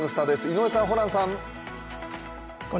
井上さん、ホランさん。